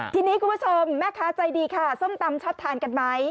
ทีนี้คุณผู้ชมแม่ค้าใจดีค่ะส้มตำชอบทานกันไหม